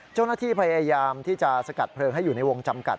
เจ้าหน้าที่พยายามที่จะสกัดเพลิงให้อยู่ในวงจำกัด